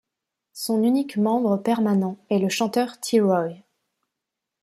Son unique membre permanent est le chanteur T-Roy.